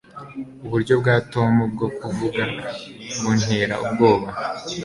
uburyo bwa tom bwo kuvuga buntera ubwoba